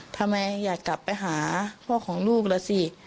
ทำไมอยากกลับไปหาพ่อของลูกล่ะสิ